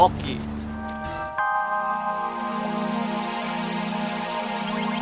alhamdulillah berusaha bersatu aja